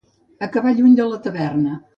Acabar lluny de la taverna.